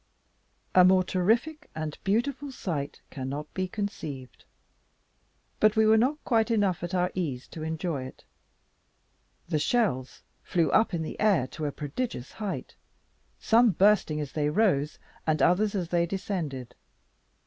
A more terrific and beautiful sight cannot be conceived; but we were not quite enough at our ease to enjoy it. The shells flew up in the air to a prodigious height, some bursting as they rose, and others as they descended.